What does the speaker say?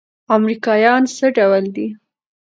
امريکايان څه ډول دي.